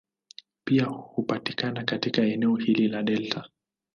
Pia hupatikana katika eneo hili la delta.